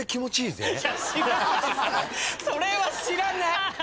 それは知らない！